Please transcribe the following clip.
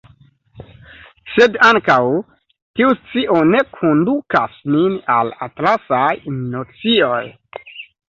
Sed ankaŭ tiu scio ne kondukas nin al atlasaj nocioj.